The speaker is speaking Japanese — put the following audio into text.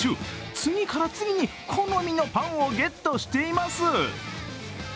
次から次に好みのパンをゲットしています。